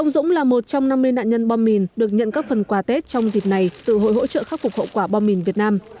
tuy nhiên các phần quà tết trong dịp này từ hội hỗ trợ khắc phục hậu quả bom mìn việt nam